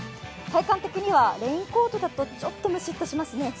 体感的にはレインコートだとちょっとむしっとしますね。